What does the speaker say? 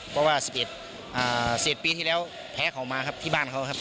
เพราะว่า๑๑ปีที่แล้วแพ้เขามาครับที่บ้านเขาครับ